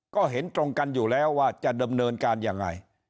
ก็เห็นตรงกันอยู่แล้วว่าจะดำเนินการยังไง